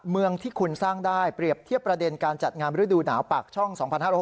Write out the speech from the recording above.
เมืองที่คุณสร้างได้เปรียบเทียบประเด็นการจัดงานฤดูหนาวปากช่อง๒๕๖๒